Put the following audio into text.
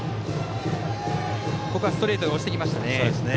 ここはストレートで押してきましたね。